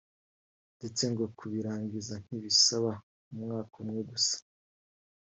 ndetse ngo kubirangiza ntibisaba umwaka umwe gusa